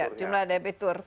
ya jumlah debitur